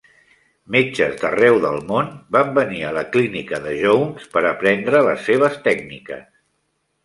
Metges d'arreu del món van venir a la clínica de Jones per aprendre les seves tècniques.